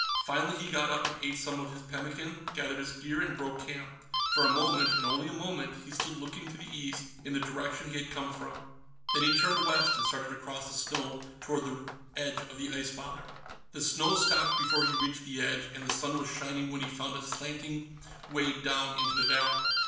Finally, he got up and ate some of his pemmican, gathered his gear and broke camp. For a moment, and only a moment, he stood looking to the east, in the direction he had come from. Then he turned west and started across the snow toward the edge of the Ice Father. The snow stopped before he reached the edge, and the sun was shining when he found a slanting way down into the valley.